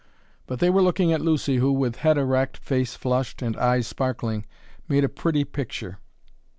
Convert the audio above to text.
But they were looking at Lucy who, with head erect, face flushed, and eyes sparkling, made a pretty picture.